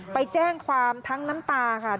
ไปแจ้งความทั้งน้ำตาค่ะ